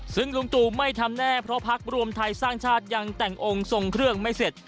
ซึ่งลุงตู่ไม่ทำแน่เพราะพักรวมไทยสร้างชาติยังแต่งองค์ทรงเครื่องไม่เสร็จ